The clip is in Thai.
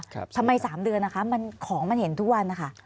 ทำไม๓เดือนนะคะมันของมันเห็นทุกวันนะคะ